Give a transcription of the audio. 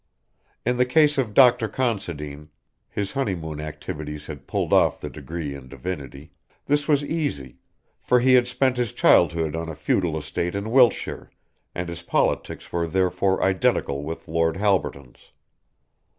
In the case of Dr. Considine his honeymoon activities had pulled off the degree in divinity this was easy, for he had spent his childhood on a feudal estate in Wiltshire and his politics were therefore identical with Lord Halberton's.